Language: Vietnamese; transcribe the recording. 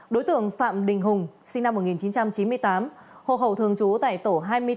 đối tượng phạm đình hùng sinh năm một nghìn chín trăm chín mươi tám hộ khẩu thường trú tại tổ hai mươi bốn